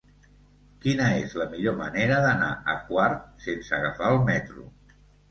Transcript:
Quina és la millor manera d'anar a Quart sense agafar el metro?